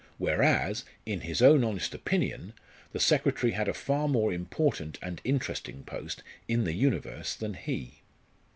Whereas, in his own honest opinion, the secretary had a far more important and interesting post in the universe than he.